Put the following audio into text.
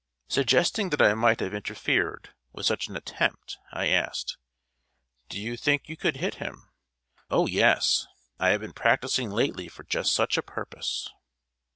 Suggesting that I might have interfered with such an attempt, I asked: "Do you think you could hit him?" "O, yes! I have been practicing lately for just such a purpose."